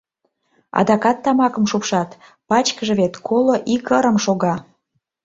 Адакат тамакым шупшат, пачкыже вет коло ик ырым шога.